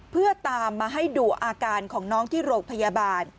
เพื่อตามมาให้ดูอาการของน้องที่โรงพยาบาล